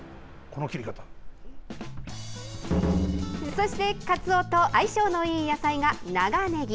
そして、かつおと相性のいい野菜が長ねぎ。